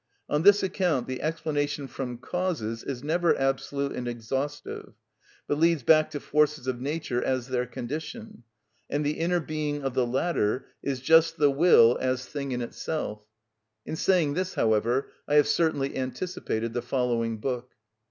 On this account the explanation from causes is never absolute and exhaustive, but leads back to forces of nature as their condition, and the inner being of the latter is just the will as thing in itself. In saying this, however, I have certainly anticipated the following book.